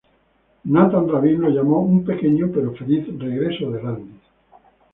Nathan Rabin lo llamó un "pequeño pero feliz regreso de Landis.